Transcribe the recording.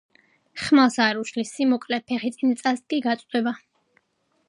ხმალსა არ უშლის სიმოკლე, ფეხი წინ წასდგი - გაწვდება.